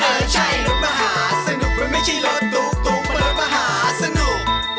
เออใช่รถมหาสนุกมันไม่ใช่รถตุ๊กเบอร์มหาสนุก